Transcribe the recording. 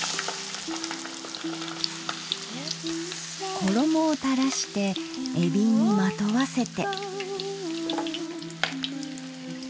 衣を垂らしてえびにまとわせて。